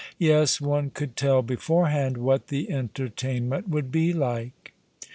Yes, one could tell beforehand what the enter tainment would be like.